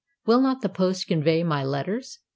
Will not the post convey my letters?